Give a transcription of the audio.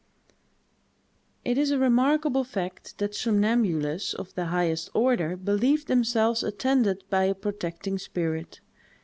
It is a remarkable fact, that somnambules of the highest order believe themselves attended by a protecting spirit.